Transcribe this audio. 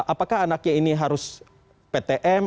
apakah anaknya ini harus ptm